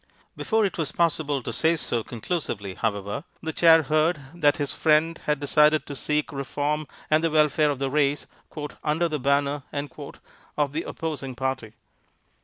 Before it was possible to say so conclusively, however, the Chair heard that his friend had decided to seek reform and the welfare of the race "under the banner" of the opposing party.